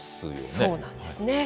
そうなんですね。